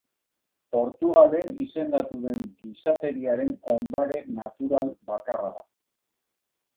Portugalen izendatu den Gizateriaren Ondare Natural bakarra da.